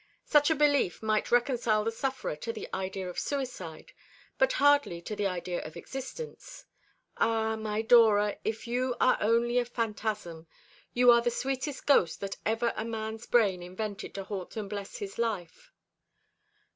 Such a belief might reconcile the sufferer to the idea of suicide, but hardly to the idea of existence. Ah, my Dora, if you are only a phantasm, you are the sweetest ghost that ever a man's brain invented to haunt and bless his life."